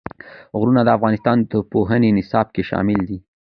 غرونه د افغانستان د پوهنې نصاب کې شامل دي.